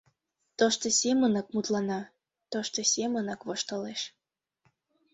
Тошто семынак мутлана, тошто семынак воштылеш.